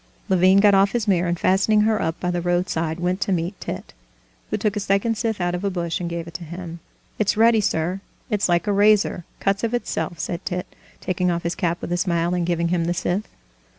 Levin got off his mare, and fastening her up by the roadside went to meet Tit, who took a second scythe out of a bush and gave it to him. "It's ready, sir; it's like a razor, cuts of itself," said Tit, taking off his cap with a smile and giving him the scythe.